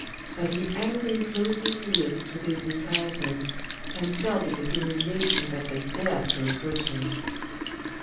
But he angrily closed his ears to these enticements, and felt it a humiliation that they dared to approach him.